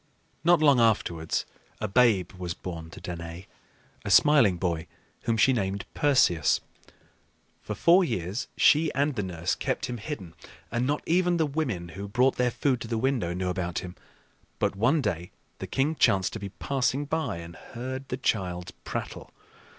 Not long afterwards a babe was born to Danaë, a smiling boy whom she named Perseus. For four years she and the nurse kept him hidden, and not even the women who brought their food to the window knew about him. But one day the king chanced to be passing by and heard the child's prattle.